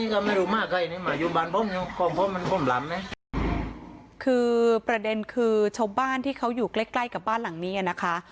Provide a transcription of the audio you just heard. คือประเด็นคือชาวบ้านที่เขาอยู่ใกล้ใกล้กับบ้านหลังนี้อ่ะนะคะ